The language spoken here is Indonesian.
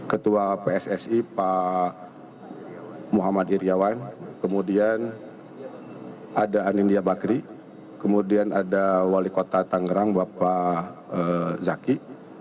ketua pssi pak muhammad iryawan kemudian ada anindya bakri kemudian ada wali kota tangerang bapak zaki